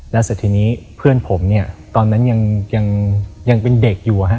แล้วเสร็จทีนี้เพื่อนผมเนี่ยตอนนั้นยังเป็นเด็กอยู่